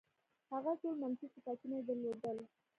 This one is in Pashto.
هغه ټول منفي صفتونه یې درلودل.